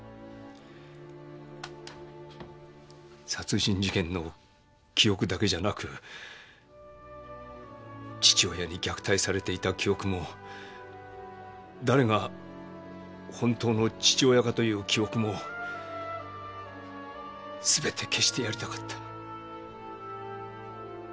殺人事件の記憶だけじゃなく父親に虐待されていた記憶も誰が本当の父親かという記憶もすべて消してやりたかった。